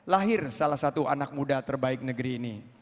lahir salah satu anak muda terbaik negeri ini